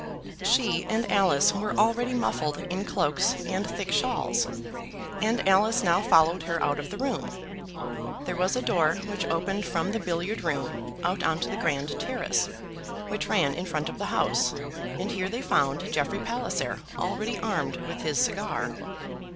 She and Alice were already muffled in cloaks and thick shawls, and Alice now followed her out of the room. There was a door which opened from the billiard room out on to the grand terrace, which ran in front of the house, and here they found Jeffrey Palliser already armed with his cigar.